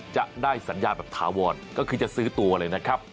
จะได้สัญญาแบบถาวรก็คือจะซื้อตัวเลยนะครับ